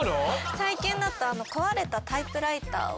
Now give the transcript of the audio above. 最近だと壊れたタイプライターを。